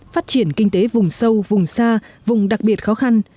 phát triển kinh tế vùng sâu vùng xa vùng đặc biệt khó khăn